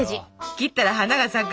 「切ったら花が咲く！！」。